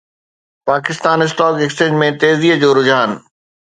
Pakistan stock exchange ۾ تيزيءَ جو رجحان